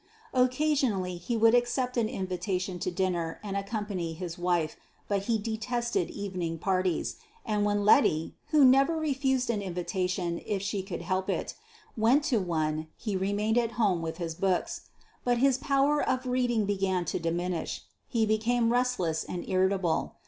Occasionally he would accept an invitation to dinner and accompany his wife, but he detested evening parties, and when Letty, who never refused an invitation if she could help it, went to one, he remained at home with his books. But his power of reading began to diminish. He became restless and irritable.